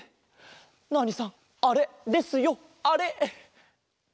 ナーニさんあれですよあれ！